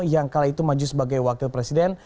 yang kala itu maju sebagai wakil presiden